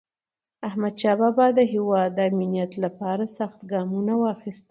احمدشاه بابا د هیواد د امنیت لپاره سخت ګامونه واخیستل.